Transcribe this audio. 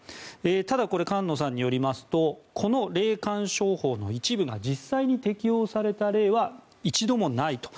ただ、これ菅野さんによりますとこの霊感商法の一部が実際に適用された例は一度もないと。